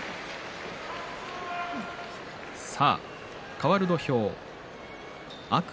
かわる土俵天空